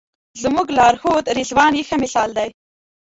زموږ لارښود رضوان یې ښه مثال دی.